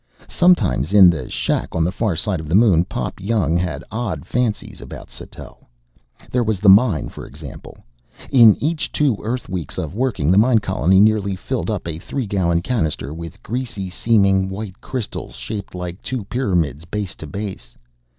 Sometimes, in the shack on the far side of the Moon, Pop Young had odd fancies about Sattell. There was the mine, for example. In each two Earth weeks of working, the mine colony nearly filled up a three gallon cannister with greasy seeming white crystals shaped like two pyramids base to base.